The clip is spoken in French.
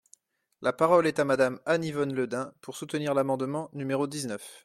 La parole est à Madame Anne-Yvonne Le Dain, pour soutenir l’amendement numéro dix-neuf.